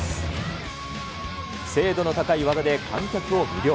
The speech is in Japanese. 精度の高い技で観客を魅了。